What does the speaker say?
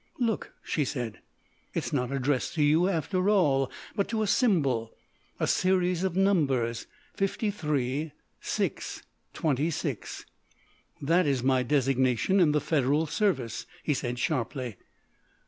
"Look," she said, "it is not addressed to you after all, but to a symbol—a series of numbers, 53 6 26." "That is my designation in the Federal Service," he said, sharply.